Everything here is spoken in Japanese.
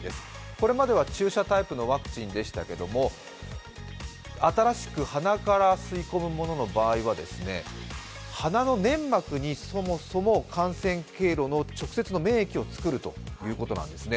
これまでは注射タイプのワクチンでしたけれども、新しく鼻から吸い込むものの場合は鼻の粘膜にそもそも感染経路の直接の免疫を作るということなんですね。